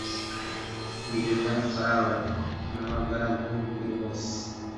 imbere ya farawo n'abagaragu be bose